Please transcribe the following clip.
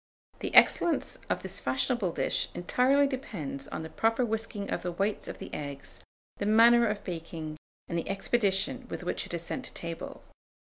The excellence of this fashionable dish entirely depends on the proper whisking of the whites of the eggs, the manner of baking, and the expedition with which it is sent to table.